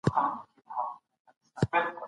زموږ هېواد د ناقانونه وسلو د قاچاق ملاتړ نه کوي.